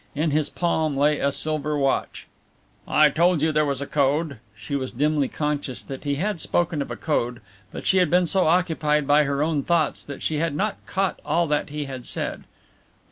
In his palm lay a silver watch. "I told you there was a code" (she was dimly conscious that he had spoken of a code but she had been so occupied by her own thoughts that she had not caught all that he had said).